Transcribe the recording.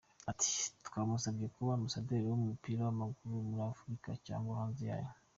Ati "Twamusabye kuba ambasaderi w’umupira w’amaguru muri Afurika cyangwa hanze yayo.